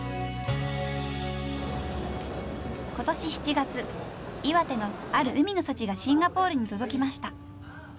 今年７月岩手のある海の幸がシンガポールに届きました。